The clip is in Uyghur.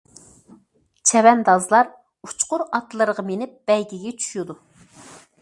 چەۋەندازلار ئۇچقۇر ئاتلىرىغا مىنىپ بەيگىگە چۈشىدۇ.